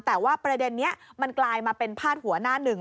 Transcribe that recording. แต่ว่าประเด็นนี้มันกลายมาเป็นพาดหัวหน้าหนึ่ง